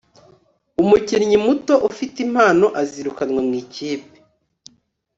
umukinnyi muto ufite impano azirukanwa mu ikipe